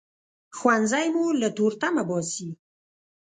ښوونځی مو له تورتمه باسي